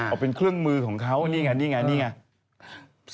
เป็นเครื่องมือของเขานี่ไงนี่ไงนี่ไง